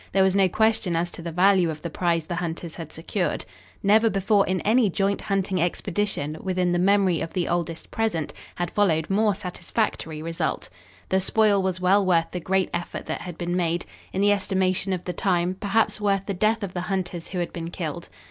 There was no question as to the value of the prize the hunters had secured. Never before in any joint hunting expedition, within the memory of the oldest present, had followed more satisfactory result. The spoil was well worth the great effort that had been made; in the estimation of the time, perhaps worth the death of the hunters who had been killed.